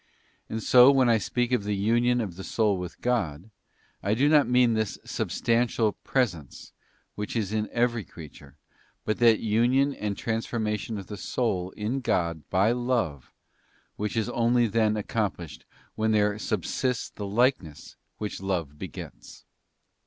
And so when I speak of the union of the soul with God, I do not mean this substantial pre sence which is in every creature, but that union and trans formation of the soul in God by love which is only then accomplished when there subsists the likeness which love begets.